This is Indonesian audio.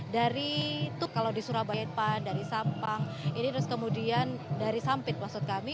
dari tuk kalau di surabaya itu dari sampang ini terus kemudian dari sampit maksud kami